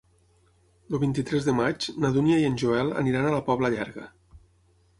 El vint-i-tres de maig na Dúnia i en Joel aniran a la Pobla Llarga.